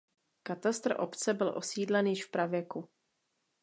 Katastr obce byl osídlen již v pravěku.